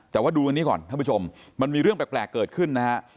แต่ว่าดูตรงนี้ก่อนท่านผู้ชมมันมีเรื่องแปลกเกิดขึ้นนะฮะ